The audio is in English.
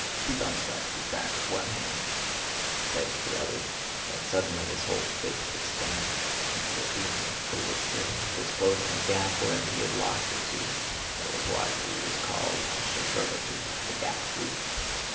Tíkhon scratched his back with one hand and his head with the other, then suddenly his whole face expanded into a beaming, foolish grin, disclosing a gap where he had lost a tooth (that was why he was called Shcherbáty—the gap toothed).